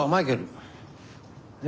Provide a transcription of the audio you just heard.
え？